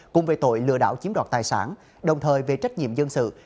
cùng về tội lừa đảo chiếm đoạt tài sản đồng thời về trách nhiệm dân sự